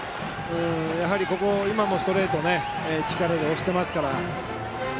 今のストレートも力で押していますから。